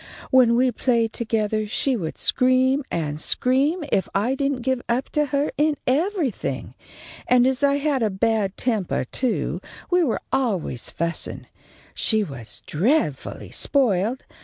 When we played togethah she would scream and scream if I didn't give up to her in everything, and as I had a bad tempah, too, we were always fussin'. She was dreadfully spoiled.